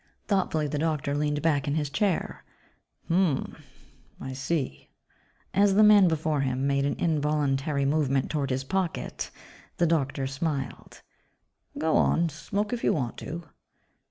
Thoughtfully, the doctor leaned back in his chair, "Hm m m ... I see." As the man before him made an involuntary movement toward his pocket, the doctor smiled, "Go on, smoke if you want to."